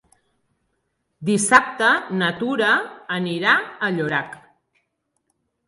Dissabte na Tura anirà a Llorac.